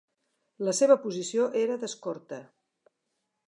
La seua posició era d'escorta.